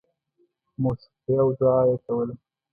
• موسیقي او دعا یې کوله.